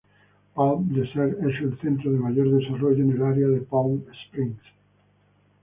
Palm Desert es el centro de mayor desarrollo en el área de Palm Springs.